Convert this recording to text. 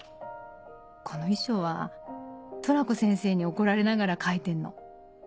この遺書はトラコ先生に怒られながら書いてんの。